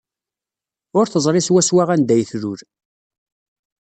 Ur teẓri swaswa anda ay tlul.